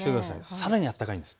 さらに暖かいです。